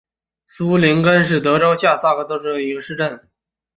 苏林根是德国下萨克森州的一个市镇。